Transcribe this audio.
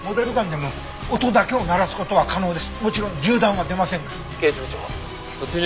もちろん銃弾は出ませんが。